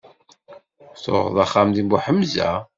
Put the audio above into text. Tuɣeḍ axxam deg Buḥemza?